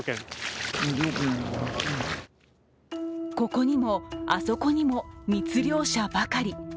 ここにもあそこにも、密漁者ばかり。